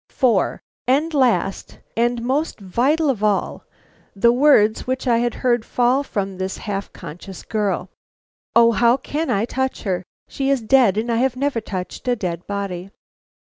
4. And last, and most vital of all, the words which I had heard fall from this half conscious girl: "_O how can I touch her! She is dead, and I have never touched a dead body!